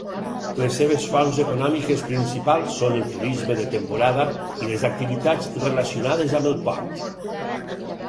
Les seves fonts econòmiques principals són el turisme de temporada i les activitats relacionades amb el port.